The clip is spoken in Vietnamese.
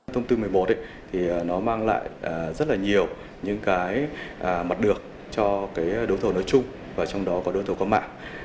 thông tư một mươi một mang lại rất nhiều mặt được cho đấu thầu nối chung và trong đó có đấu thầu có mạng